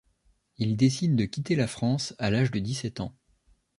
Il décide de quitter la France à l’âge de dix-sept ans.